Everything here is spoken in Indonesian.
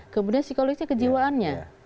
kemudian psikologisnya kejiwaannya